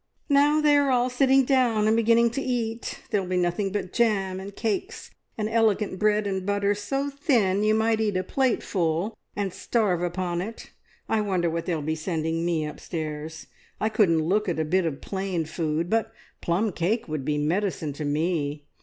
"Now they are all sitting down and beginning to eat! There'll be nothing but jam and cakes and elegant bread and butter so thin you might eat a plateful, and starve upon it! I wonder what they'll be sending me upstairs. I couldn't look at a bit of plain food, but plum cake would be medicine to me.